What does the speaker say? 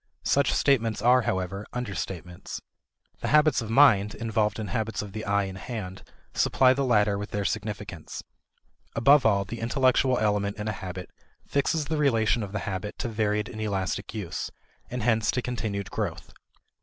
Such statements are, however, understatements. The habits of mind involved in habits of the eye and hand supply the latter with their significance. Above all, the intellectual element in a habit fixes the relation of the habit to varied and elastic use, and hence to continued growth.